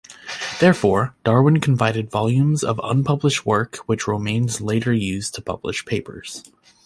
Therefore, Darwin confided volumes of unpublished work which Romanes later used to publish papers.